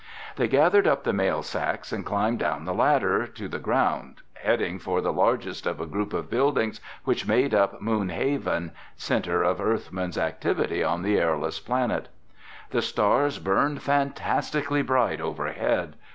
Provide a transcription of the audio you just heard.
They gathered up the mail sacks and climbed down the ladder to the ground, heading for the largest of a group of buildings which made up Moonhaven, center of Earthmen's activity on the airless planet. The stars burned fantastically bright overhead.